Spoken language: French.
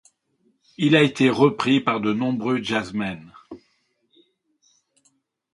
Il a été repris par de nombreux jazzmen.